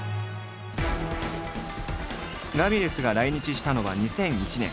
ラミレスが来日したのは２００１年。